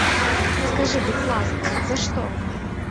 Скажы, будзь ласкаў, за што?